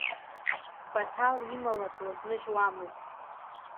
Баҭал имала длызныжьуамызт.